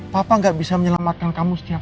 papa ga bisa menyelamatkan kamu setiap saat